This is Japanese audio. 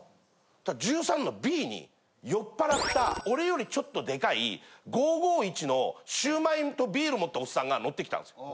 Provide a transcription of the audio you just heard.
１３のＢに酔っぱらった俺よりちょっとでかい５５１の焼売とビール持ったおっさんが乗ってきたんですよ。